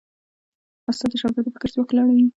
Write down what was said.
استاد د شاګرد د فکر ځواک لوړوي.